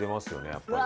やっぱり。